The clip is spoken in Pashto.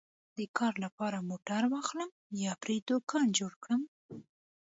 د کار لپاره موټر واخلم یا پرې دوکان جوړ کړم